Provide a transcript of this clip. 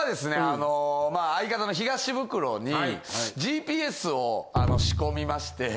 あの相方の東ブクロにＧＰＳを仕込みまして。